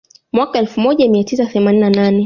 Mwaka elfu moja mia tisa themanini na nane